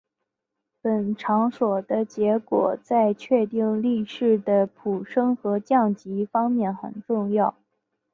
本场所的结果在确定力士的晋升和降级方面很重要。